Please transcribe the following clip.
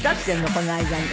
この間に。